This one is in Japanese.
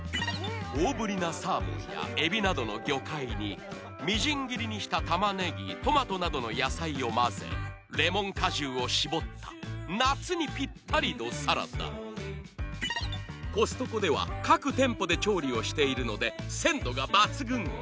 大ぶりなサーモンやエビなどの魚介にみじん切りにした玉ねぎトマトなどの野菜を混ぜレモン果汁を搾った夏にぴったりのサラダコストコではあっ言っちゃった。